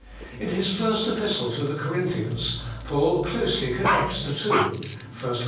In his First Epistle to the Corinthians, Paul closely connects the two (1 Cor.